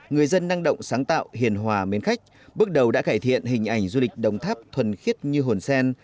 người dân năng động sáng tạo hiền hòa mến khách bước đầu đã cải thiện hình ảnh du lịch đồng tháp thuần khiết như hòn sen